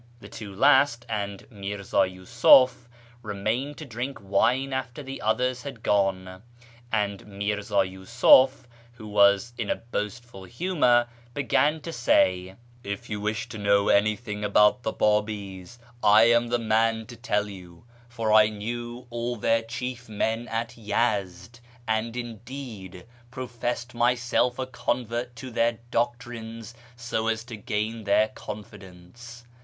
The two last and Mi'rzi'i Yusuf remained to drink wine after the others had gone ; and Mirz;i Yusuf, who was in a boastful humour, began to say, " If you wish to know anything about the Babi's, 1 am the man to tell you, for I knew all their chief men at Yezd, and, indeed, professed myself a convert to their doctrines so as to gain their con fidence.